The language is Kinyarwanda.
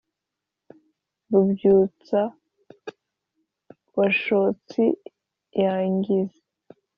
rubyutsa-bashotsi yangize